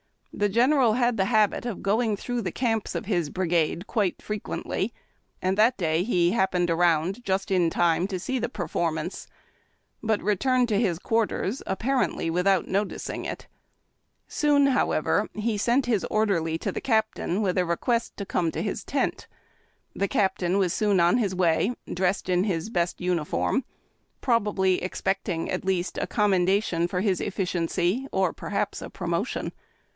The General had the habit of going through the camps of his brigade quite fre BUCKED AND GAGGED, OFFENCES AND PUNISHMENTS. 147 qiiently, and that day lie happened around just in time to see the performance, but returned to liis quarters apparently without noticing it. Soon, however, he sent his Orderly to the Captain with a request to come to his tent. The Cap tain was soon on Ins way, dressed in his best uniform, probably expecting, at least, a commendation for his effi ciency, or perhaps a promotion.